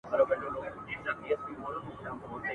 د ویرجینیا پسرلی او منی دواړه ښکلي دي ..